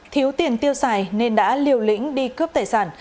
thiếu tiền tiêu xài nên đã liều lĩnh đi cướp tài sản